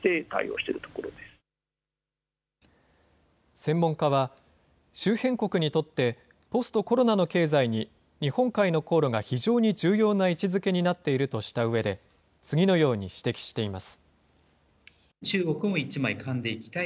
専門家は、周辺国にとって、ポストコロナの経済に日本海の航路が非常に重要な位置づけになっているとしたうえで、次のように指摘しています。